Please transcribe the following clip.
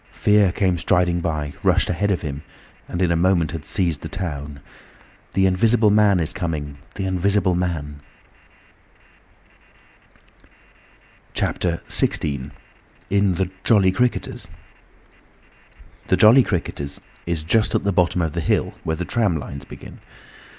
Fear came striding by, rushed ahead of him, and in a moment had seized the town. "The Invisible Man is coming! The Invisible Man!" CHAPTER XVI. IN THE "JOLLY CRICKETERS" The "Jolly Cricketers" is just at the bottom of the hill, where the tram lines begin.